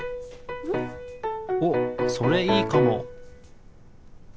おっそれいいかも。